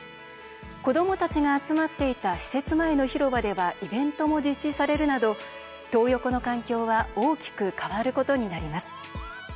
子どもたちが集まっていた施設前の広場ではイベントも実施されるなど「トー横」の環境は大きく変わることになります。